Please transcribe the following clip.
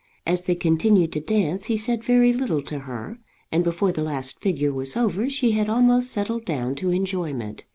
As they continued to dance he said very little to her, and before the last figure was over she had almost settled down to enjoyment.